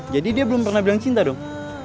jadi dia belum pernah bilang cinta dong